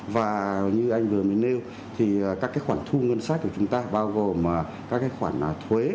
và như anh vừa mới nêu thì các cái khoản thu ngân sách của chúng ta bao gồm các cái khoản thuế